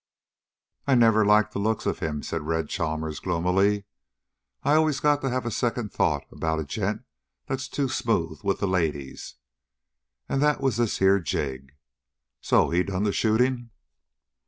"I never liked the looks of him," said Red Chalmers gloomily. "I always got to have a second thought about a gent that's too smooth with the ladies. And that was this here Jig. So he done the shooting?"